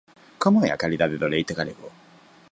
Como é a calidade do leite galego?